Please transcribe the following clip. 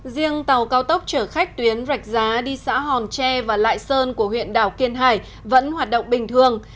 riêng tàu cao tốc chở khách tuyến rạch giá đi xã hòn tre và lại sơn của huyện đảo kiên hải vẫn hoạt động bình thường